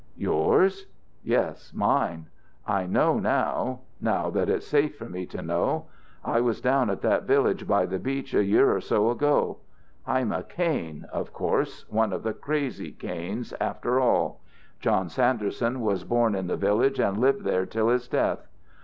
"Yours?" "Yes, mine. I know now now that it's safe for me to know. I was down at that village by the beach a year or so ago. I'm a Kain, of course, one of the crazy Kains, after all. John Sanderson was born in the village and lived there till his death.